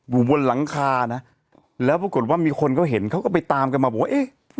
อยู่บนหลังคานะแล้วปรากฏว่ามีคนเขาเห็นเขาก็ไปตามกันมาบอกว่าเอ๊ะ